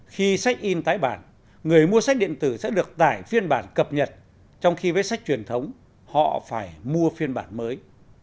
khi sách in tái bản người mua sách điện tử sẽ được tải phiên bản cập nhật trong khi với sách truyền thống họ phải mua phiên bản mới